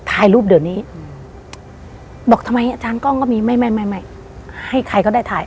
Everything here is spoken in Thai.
ถ่ายรูปเดี๋ยวนี้บอกทำไมอาจารย์กล้องก็มีไม่ไม่ไม่ให้ใครก็ได้ถ่าย